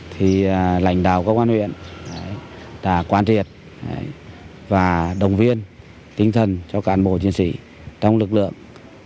thì lãnh đạo công an huyện đã quan triệt và đồng viên tinh thần cho cán bộ chiến sĩ trong lực lượng